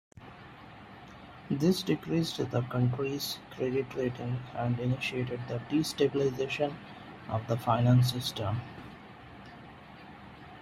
This decreased the country's credit rating and initiated the destabilization of the finance system.